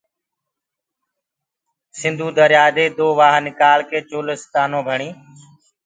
سنڌو دريآ دي دو وآه نڪآݪنيٚ چولستآنيٚ ڀڻيٚ تو